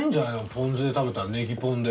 ポン酢で食べたらネギポンで。